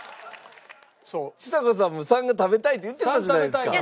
ちさ子さんも３が食べたいって言ってたじゃないですか。